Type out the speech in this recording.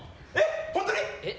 本当に？